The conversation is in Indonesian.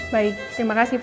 baik terima kasih pak